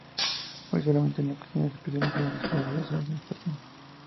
Hoy solamente en ocasiones especiales durante la oración vespertina.